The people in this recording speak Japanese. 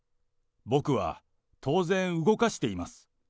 僕は当然、動かしています。